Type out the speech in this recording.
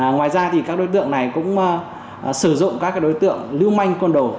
ngoài ra các đối tượng này cũng sử dụng các đối tượng lưu manh con đồ